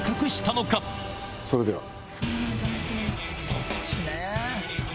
そっちねぇ。